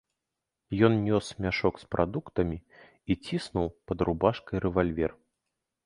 Ён нёс мяшок з прадуктамі і ціснуў пад рубашкай рэвальвер.